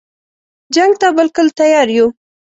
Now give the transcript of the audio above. جنګ ته بالکل تیار یو.